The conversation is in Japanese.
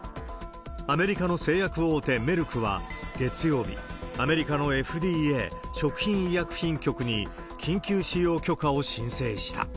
アメリカの製薬大手、メルクは月曜日、アメリカのＦＤＡ・アメリカ食品医薬品局に緊急使用許可を申請した。